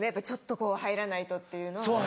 ちょっとこう入らないとっていうのは。